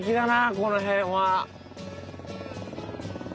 この辺は。